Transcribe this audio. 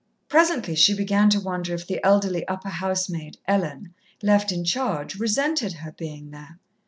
Presently she began to wonder if the elderly upper housemaid, Ellen, left in charge, resented her being there.